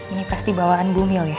ini pasti bawaan bumil ya